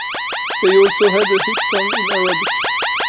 They also had a hit song in Arabic.